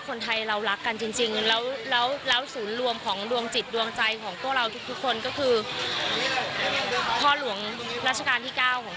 คนไทยเรารักกันจริงแล้วสูญรวมของดวงจิตดวงใจของตัวเราทุกคนก็คือ